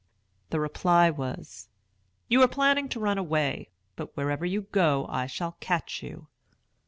The reply was, "You are planning to run away. But, wherever you go, I shall catch you."